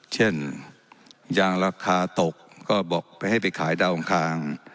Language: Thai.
เช่นยางราคาตกก็บอกไปให้ไปขายดาวอังคาร